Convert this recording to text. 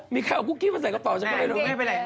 มีใครเอากุ๊กกี้มาใส่กระเป๋าฉันก็ไม่รู้